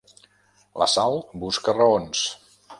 La Sal busca raons.